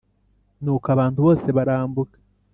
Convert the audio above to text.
Nuko abantu bose barambuka